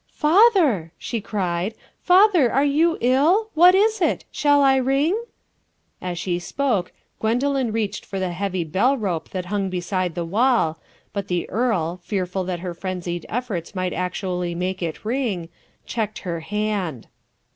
"Father," she cried, "father, are you ill? What is it? Shall I ring?" As she spoke Gwendoline reached for the heavy bell rope that hung beside the wall, but the earl, fearful that her frenzied efforts might actually make it ring, checked her hand.